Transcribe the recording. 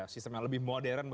sistem yang lebih modern